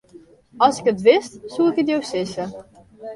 As ik it wist, soe ik it jo sizze.